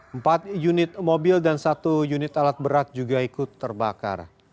empat unit mobil dan satu unit alat berat juga ikut terbakar